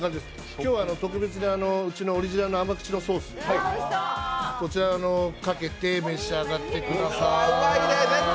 今日は特別にうちのオリジナルの甘口ソース、こちらをかけて召し上がってください。